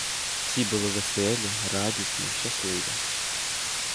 Всі були веселі, радісні, щасливі.